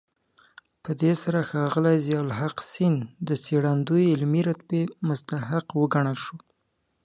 په دې سره ښاغلی ضياءالحق سیند د څېړندوی علمي رتبې مستحق وګڼل شو.